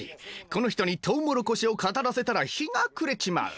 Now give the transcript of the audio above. この人にとうもろこしを語らせたら日が暮れちまう。